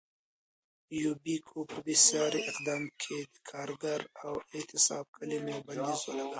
یوبیکو په بېساري اقدام کې د کارګر او اعتصاب کلیمو بندیز ولګاوه.